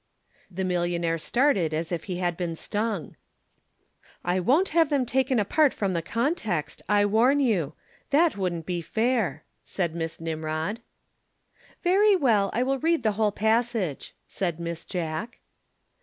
The millionaire started as if he had been stung. "I won't have them taken apart from the context, I warn you. That wouldn't be fair," said Miss Nimrod. "Very well, I will read the whole passage," said Miss Jack.